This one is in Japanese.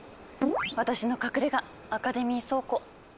私の隠れがアカデミー倉庫。